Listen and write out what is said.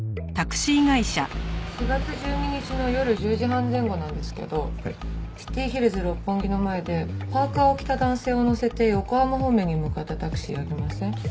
４月１２日の夜１０時半前後なんですけどＣｉｔｙＨｉｌｌｓ六本木の前でパーカを着た男性を乗せて横浜方面に向かったタクシーありません？